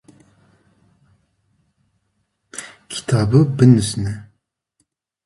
Kıtabu bınijne.